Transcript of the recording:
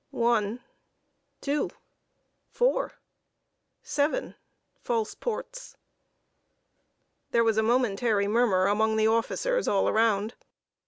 "One—two—four—seven, false ports." There was a momentary murmur among the officers all round.